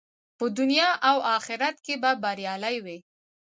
په دنیا او آخرت کې به بریالی وي.